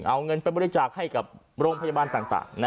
เอาเงินไปบริจาคให้กับโรงพยาบาลต่าง